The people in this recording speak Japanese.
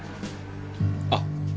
あっ。